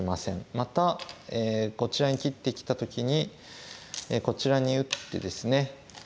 またこちらに切ってきた時にこちらに打ってですね。